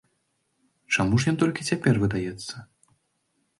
Чаму ж ён толькі цяпер выдаецца?